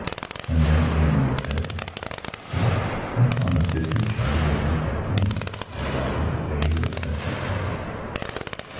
And then Leonora said: "Yes. I promised it to Charlie Maidan this afternoon. I have offered to pay her ex's myself."